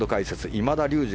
今田竜二